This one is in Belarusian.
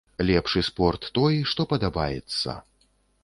Лепшы спорт той, што падабаецца.